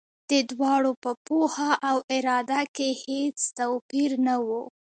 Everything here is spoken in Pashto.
د دواړو په پوهه او اراده کې هېڅ توپیر نه و.